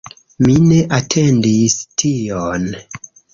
Mi ne atendis tion